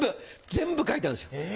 全部書いてあるんですよ。